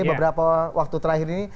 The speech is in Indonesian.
beberapa waktu terakhir ini